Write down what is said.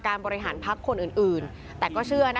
การสอบส่วนแล้วนะ